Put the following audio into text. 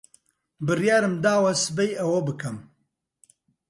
بڕیارم داوە سبەی ئەوە بکەم.